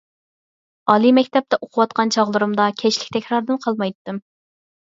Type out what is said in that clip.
ئالىي مەكتەپتە ئوقۇۋاتقان چاغلىرىمدا، كەچلىك تەكراردىن قالمايتتىم.